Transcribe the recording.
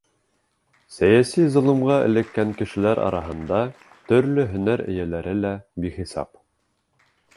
Сәйәси золомға эләккән кешеләр араһында төрлө һөнәр эйәләре лә бихисап.